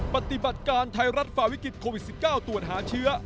ปฏิบัติการไทยรัฐฝ่าวิกฤตโควิด๑๙ตรวจหาเชื้อ